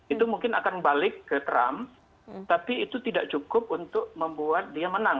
itu mungkin akan balik ke trump tapi itu tidak cukup untuk membuat dia menang